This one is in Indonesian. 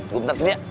gue bentar sini ya